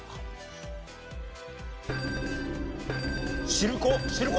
しるこ？